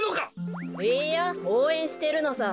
いいやおうえんしてるのさ。